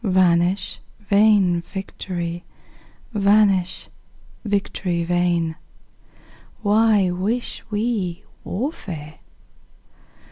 Vanish vain victory! vanish, victory vain! Why wish we warfare?